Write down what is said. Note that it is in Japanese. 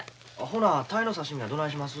ほな鯛の刺身はどないします？